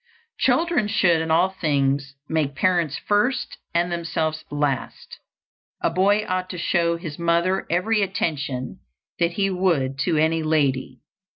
Children should in all things make parents first and themselves last. A boy ought to show his mother every attention that he would to any lady.